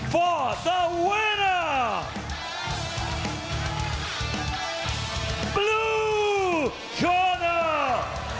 เพื่อเจ้าตัว